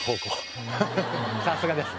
さすがですね。